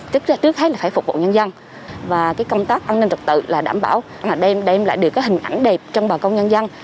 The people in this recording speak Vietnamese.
trước hết là phải phục vụ nhân dân và công tác an ninh trật tự là đảm bảo đem lại được hình ảnh đẹp trong bà công nhân dân